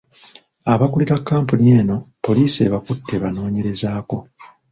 Abakulira kkampuni eno, poliisi ebakutte ebanoonyerezeeko.